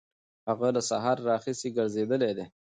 هغه له سهاره راهیسې ګرځېدلی دی.